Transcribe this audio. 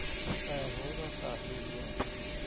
แต่โหราศาสตร์ดูดวง